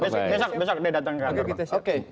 besok besok dia datang ke kantor